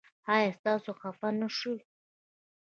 ایا تاسو خفه نه شوئ؟